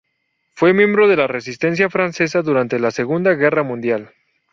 Fue miembro de la Resistencia francesa durante la Segunda Guerra Mundial.